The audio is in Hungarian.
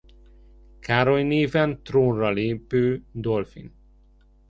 Károly néven trónra lépő dauphin.